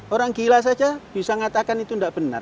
orang gila saja bisa mengatakan itu tidak benar